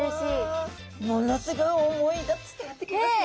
ものすごい思いが伝わってきますね。